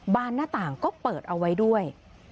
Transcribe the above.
หน้าต่างก็เปิดเอาไว้ด้วย